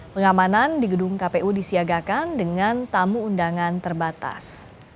pengamanan di gedung kpu disiagakan dengan tamu undangan terbatas